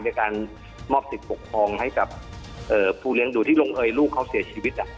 ในการมอบสิทธิ์ปกครองให้กับผู้เลี้ยงดูที่ลงเอยลูกเขาเสียชีวิต